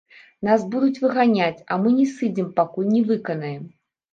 Нас будуць выганяць, а мы не сыдзем пакуль не выканаем!